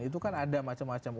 itu kan ada macam macam